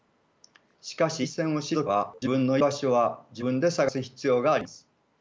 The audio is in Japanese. しかし一線を退けば自分の居場所は自分で探す必要があります。